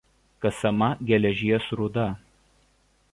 Kasama geležies rūda.